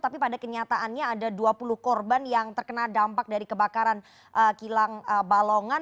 tapi pada kenyataannya ada dua puluh korban yang terkena dampak dari kebakaran kilang balongan